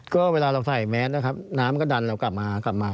ก็เวลาเราใส่แมสนะครับน้ำก็ดันเรากลับมากลับมา